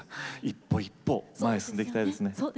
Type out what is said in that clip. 一歩一歩前に進んでいきたいですね。